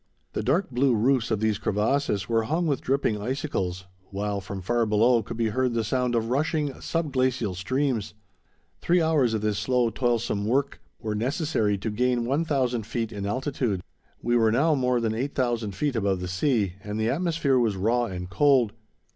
The dark blue roofs of these crevasses were hung with dripping icicles, while from far below could be heard the sound of rushing, sub glacial streams. Three hours of this slow, toilsome work were necessary to gain 1000 feet in altitude. We were now more than 8000 feet above the sea, and the atmosphere was raw and cold.